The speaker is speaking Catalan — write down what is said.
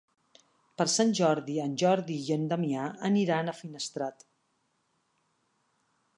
Per Sant Jordi en Jordi i en Damià aniran a Finestrat.